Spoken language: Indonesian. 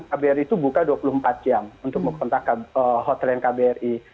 kbri itu buka dua puluh empat jam untuk mengkontak hotline kbri